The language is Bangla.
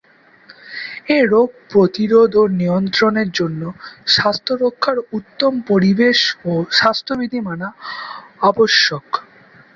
এ রোগ প্রতিরোধ ও নিয়ন্ত্রণের জন্য স্বাস্থ্যরক্ষার উত্তম পরিবেশ ও স্বাস্থবিধি মানা আবশ্যক।